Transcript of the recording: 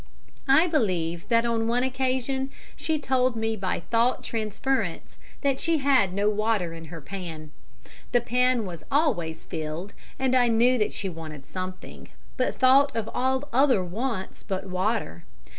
I believe that on one occasion she told me by thought transference that she had no water in her pan. The pan was always filled, and I knew that she wanted something, but thought of all other wants but water.